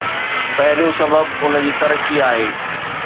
پهريون سبب ان جي ترقي آهي.